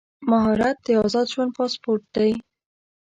مهارت د ازاد ژوند پاسپورټ دی.